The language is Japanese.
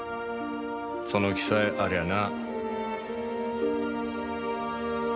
その気さえありゃな。